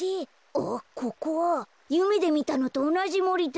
あっここはゆめでみたのとおなじもりだ。